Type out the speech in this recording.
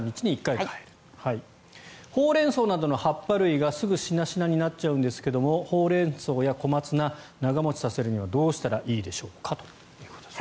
ホウレンソウなどの葉っぱ類がすぐ、しなしなになっちゃうんですけどホウレンソウや小松菜長持ちさせるにはどうしたらいいでしょうかということです。